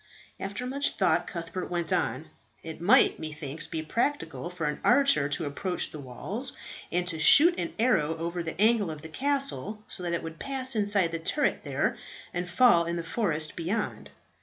After much thought, Cuthbert went on, "It might, methinks, be practicable for an archer to approach the walls, and to shoot an arrow over the angle of the castle so that it would pass inside the turret there, and fall in the forest beyond.